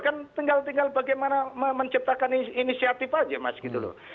kan tinggal tinggal bagaimana menciptakan inisiatif aja mas gitu loh